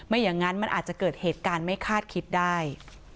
อย่างนั้นมันอาจจะเกิดเหตุการณ์ไม่คาดคิดได้